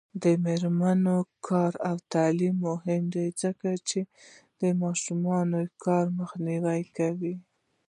د میرمنو کار او تعلیم مهم دی ځکه چې ماشوم کار مخنیوی کوي.